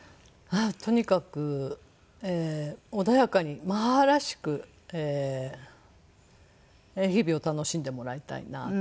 とにかく穏やかに母らしく日々を楽しんでもらいたいなと思って。